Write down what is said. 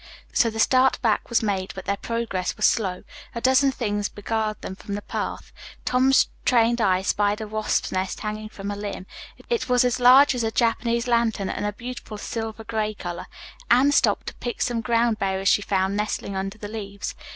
So the start back was made, but their progress was slow. A dozen things beguiled them from the path. Tom's trained eye spied a wasp's nest hanging from a limb. It was as large as a Japanese lantern and a beautiful silver gray color. Anne stopped to pick some ground berries she found nestling under the leaves.